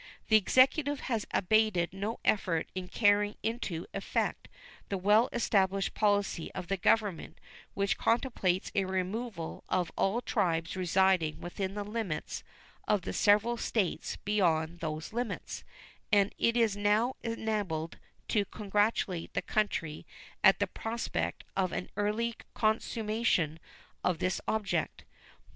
The Executive has abated no effort in carrying into effect the well established policy of the Government which contemplates a removal of all the tribes residing within the limits of the several States beyond those limits, and it is now enabled to congratulate the country at the prospect of an early consummation of this object.